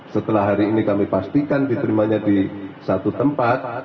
setelah hari ini kami pastikan diterimanya di satu tempat